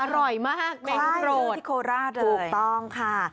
อร่อยมากแม่ค้าโปรดใช่ที่โคราชเลยถูกต้องค่ะ